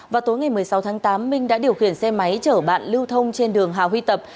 vào tối ngày một mươi sáu tháng tám minh đã điều khiển xe máy chở bạn lưu thông trên đường hà huy tập